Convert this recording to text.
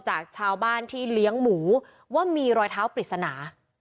จากชาวบ้านที่เลี้ยงหมูว่ามีรอยเท้าปริศนา